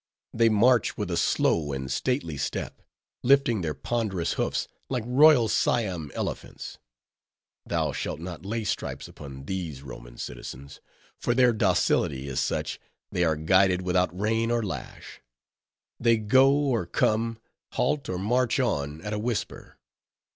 They march with a slow and stately step, lifting their ponderous hoofs like royal Siam elephants. Thou shalt not lay stripes upon these Roman citizens; for their docility is such, they are guided without rein or lash; they go or come, halt or march on, at a whisper.